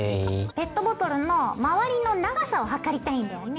ペットボトルの周りの長さを測りたいんだよね。